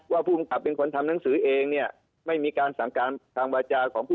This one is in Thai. ผู้กำกับเป็นคนทำหนังสือเองเนี่ยไม่มีการสั่งการทางวาจาของผู้